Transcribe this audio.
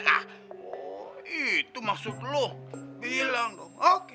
ah itu maksud lu bilang dong oke